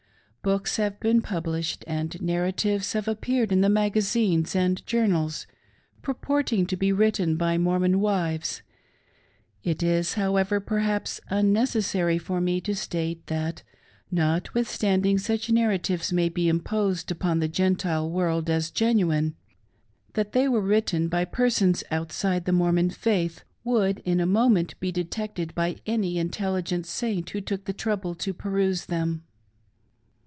Books hive been published, and narratives have appeared in the magazines and journals, purporting to be written by Mormon wives ; it is, however, perhaps, unnecessary for me to state that, notwith standing such narratives may be imposed upon the Gentile world as genuine, that they were written by persons outside the Mormon faith would in a moment be detected by any in telligent Saint who took the trouble to peruse them.